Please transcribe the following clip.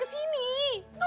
polisinya udah datang bang